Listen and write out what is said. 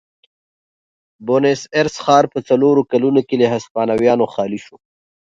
بونیس ایرس ښار په څلورو کلونو کې له هسپانویانو خالي شو.